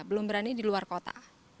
belum berani di luar kota